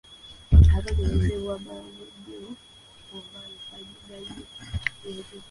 Abonerezebwa mangu nnyo oba luvannyuma nyo .